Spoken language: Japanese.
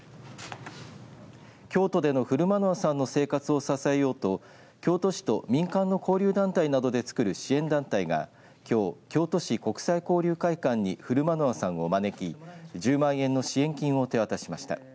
京都でのフルマノワさんの生活を支えようと京都市と民間の交流団体などでつくる支援団体がきょう京都市国際交流会館にフルマノワさんを招き１０万円の支援金を手渡しました。